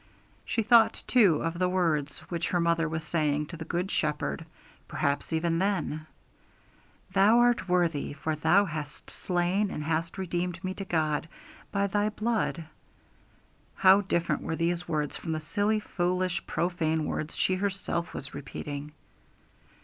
She thought, too, of the words which her mother was saying to the Good Shepherd, perhaps even then: 'Thou art worthy; for Thou wast slain, and hast redeemed me to God by Thy blood:' how different were these words from the silly, foolish, profane words she herself was repeating!